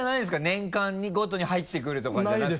年間ごとに入ってくるとかじゃなくて。